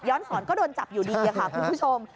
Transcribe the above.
สอนก็โดนจับอยู่ดีค่ะคุณผู้ชม